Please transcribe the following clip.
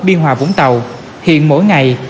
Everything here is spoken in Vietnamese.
biên hòa vũng tàu hiện mỗi ngày